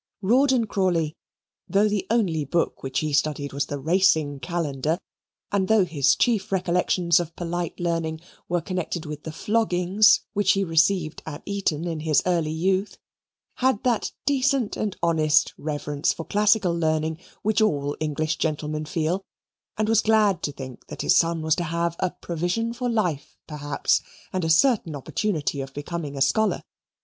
Rawdon Crawley, though the only book which he studied was the Racing Calendar, and though his chief recollections of polite learning were connected with the floggings which he received at Eton in his early youth, had that decent and honest reverence for classical learning which all English gentlemen feel, and was glad to think that his son was to have a provision for life, perhaps, and a certain opportunity of becoming a scholar.